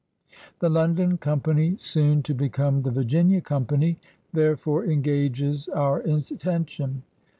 The London Company, soon to become the Virginia Company, therefore engages our atten tion.